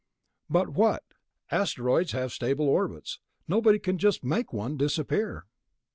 "But what? Asteroids have stable orbits. Nobody can just make one disappear...."